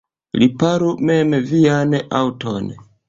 Riparu mem vian aŭton.